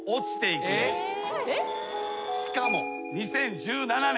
しかも２０１７年